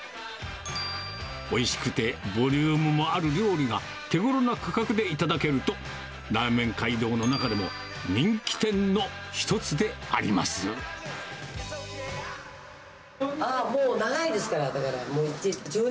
おいしくてボリュームもある料理が、手ごろな価格で頂けると、ラーメン街道の中でも人気店の一つであもう長いですから、１０年？